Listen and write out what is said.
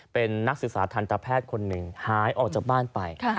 เป็นนักศึกษาทันตแพทย์คนหนึ่งหายออกจากบ้านไป